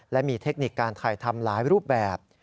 และมีเทคนิคการถ่ายทำหลายรูปแบบ